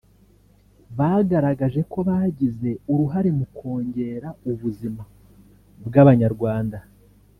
bagaragaje ko bagize uruhare mu kongera ubuzima bw’Abanyarwanda